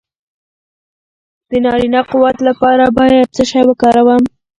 د نارینه قوت لپاره باید څه شی وکاروم؟